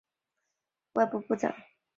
李璜当选为外务部长。